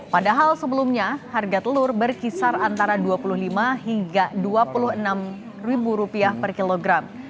padahal sebelumnya harga telur berkisar antara rp dua puluh lima hingga rp dua puluh enam per kilogram